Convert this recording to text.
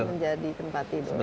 menjadi tempat tidur